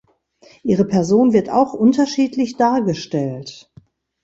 Ihre Person wird auch unterschiedlich dargestellt.